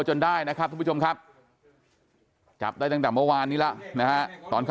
จนได้นะครับทุกผู้ชมครับจับได้ตั้งแต่เมื่อวานนี้แล้วนะฮะตอนที่